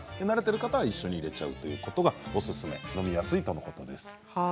慣れている方は一緒に入れちゃうということがおすすめ飲みやすいとのことです。